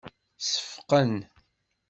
Seffqen.